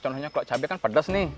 contohnya kalau cabai kan pedas nih